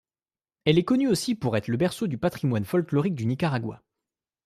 Elle est connue aussi pour être le berceau du patrimoine folklorique du Nicaragua.